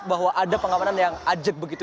bahwa ada pengamanan yang ajet begitu